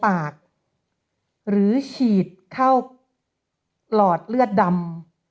ปากหรือฉีดเข้าหลอดเลือดดำ